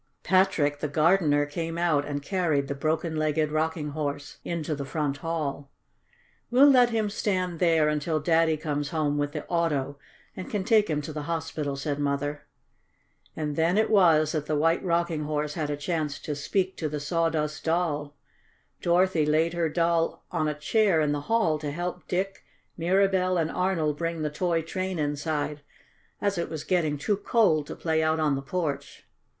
Patrick, the gardener, came out and carried the broken legged Rocking Horse into the front hall. "We'll let him stand there until Daddy comes home with the auto and can take him to the hospital," said Mother. And then it was that the White Rocking Horse had a chance to speak to the Sawdust Doll. Dorothy laid her Doll on a chair in the hall to help Dick, Mirabell and Arnold bring the toy train inside, as it was getting too cold to play out on the porch.